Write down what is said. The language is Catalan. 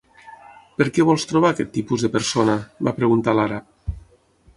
"Per què vols trobar aquest tipus de persona?", va preguntar l'àrab.